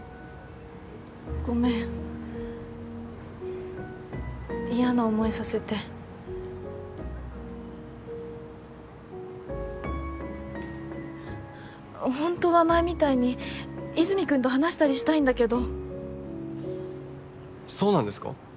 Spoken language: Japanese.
ごめん嫌な思いさせてホントは前みたいに和泉君と話したりしたいんだけどそうなんですか？